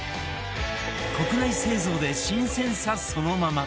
国内製造で新鮮さそのまま